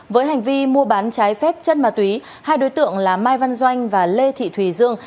với hành vi mua bán trái phép chân ma túy hai đối tượng là mai văn doanh và lê thị thùy dương